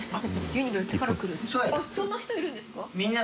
そんな人いるんですか？